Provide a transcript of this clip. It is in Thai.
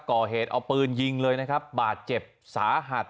ก่อเหตุเอาปืนยิงเลยนะครับบาดเจ็บสาหัส